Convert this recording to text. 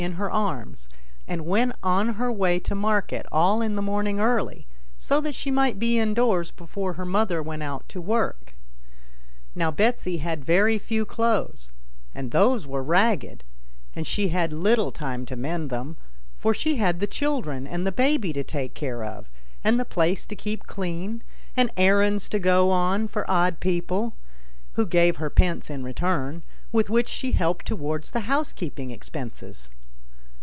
79 in her arms, and went on her way to market all in the morning early, so that she might be indoors before her mother went out to work Now Betsy had very few clothes, and those were ragged, and she had little time to mend them, for she had the children and the baby to take care of, and the place to keep clean, and errands to go on for odd people, who gave her pence in return, with which she helped towards the house keeping expenses.